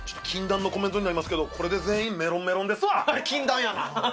禁断のコメントになりますけど、これで全員メロンメロンですわ。